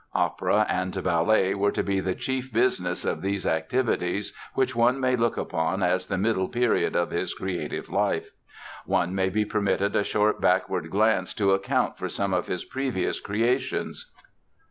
Opera and ballet were to be the chief business of those activities which one may look upon as the middle period of his creative life. One may be permitted a short backward glance to account for some of his previous creations.